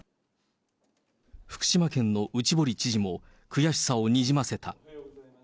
福島県の内堀知事も悔しさをにじませた。